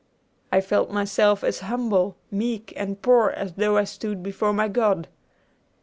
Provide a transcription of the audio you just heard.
I felt myself as humble, meek, and poor as though I stood before my God.